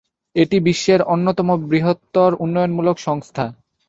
এটি বিশ্বের অন্যতম বৃহত্তর উন্নয়নমূলক সংস্থা।